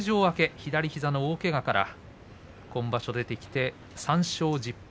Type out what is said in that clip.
左膝の大けがから今場所出てきて３勝１０敗。